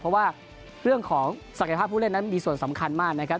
เพราะว่าเรื่องของศักยภาพผู้เล่นนั้นมีส่วนสำคัญมากนะครับ